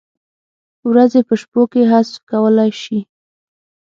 ورځې په شپو کې حذف کولای شي؟